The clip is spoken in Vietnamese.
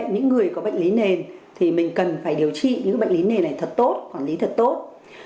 những người có bệnh lý nền thì mình cần phải điều trị những bệnh lý nền này thật tốt quản lý thật tốt